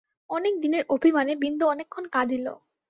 অনেক দিনের অভিমানে বিন্দু অনেকক্ষণ কাঁদিল।